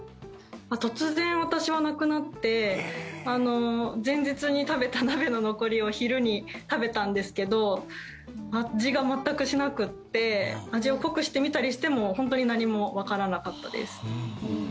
突然、私はなくなって前日に食べた鍋の残りを昼に食べたんですけど味が全くしなくて味を濃くしてみたりしても本当に何もわからなかったです。